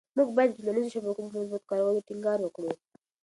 موږ باید د ټولنيزو شبکو په مثبت کارولو ټینګار وکړو.